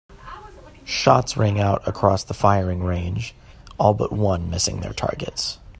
Shots rang out across the firing range, all but one missing their targets.